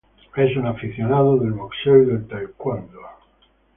Es un aficionado del boxeo y del Taekwondo.